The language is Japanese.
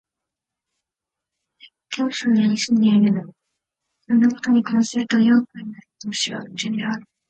吾輩は教師の家に住んでいるだけ、こんな事に関すると両君よりもむしろ楽天である